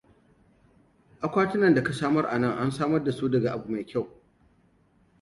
Akwatinan da ka samar anan an samar da su daga abu mai kyau.